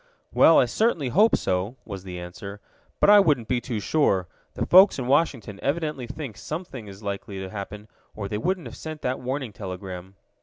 "Well, I certainly hope so," was the answer. "But I wouldn't be too sure. The folks in Washington evidently think something is likely to happen, or they wouldn't have sent that warning telegram."